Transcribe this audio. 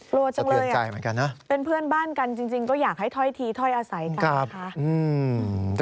โกรธจังเลยเป็นเพื่อนบ้านกันจริงก็อยากให้ถอยทีถอยอาศัยกันนะคะ